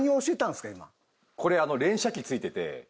これ連射機ついてて。